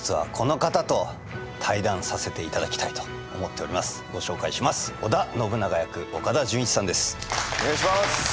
お願いします。